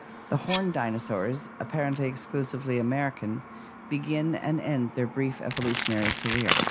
The horned dinosaurs, apparently exclusively American, begin and end their brief evolutionary career.